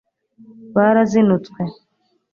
barazinutswe